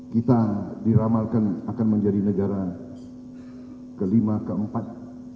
kita diramalkan akan menjadi negara kelima keempat